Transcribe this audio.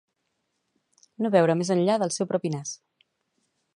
No veure més enllà del seu propi nas